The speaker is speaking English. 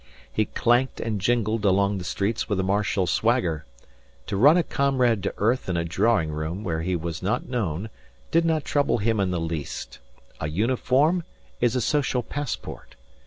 He clanked and jingled along the streets with a martial swagger. To run a comrade to earth in a drawing room where he was not known did not trouble him in the least. A uniform is a social passport.